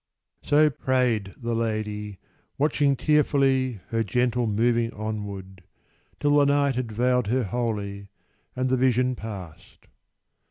So prayed the Lady, watching tearfully Her gentle moving onward, till the night Had veiled her wholly, and the vision passed.